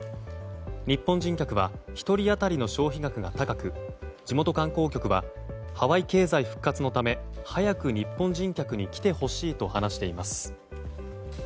日本人客は１人当たりの消費額が高く地元観光局はハワイ経済復活のため早く日本人客に来てほしいと話しています。